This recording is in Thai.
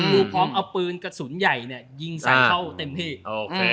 พร้อมเอาปืนกระสุนใหญ่เนี่ยยิงใส่เข้าเต็มที่โอเค